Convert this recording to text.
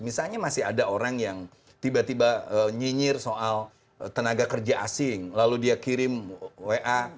misalnya masih ada orang yang tiba tiba nyinyir soal tenaga kerja asing lalu dia kirim wa